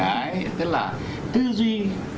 đấy tức là tư duy